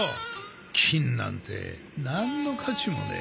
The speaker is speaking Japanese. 金なんて何の価値もねえ。